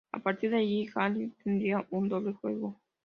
A partir de ahí, Yahya tendrá un doble juego.